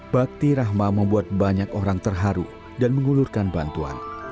bakti rahma membuat banyak orang terharu dan mengulurkan bantuan